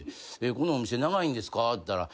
このお店長いんですか？